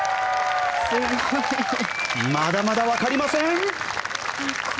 まだまだわかりません！